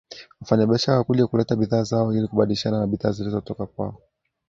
wafanyabishara walikuja kuleta bidhaa zao ili kubadilishana na bidhaa zilizotoka kwao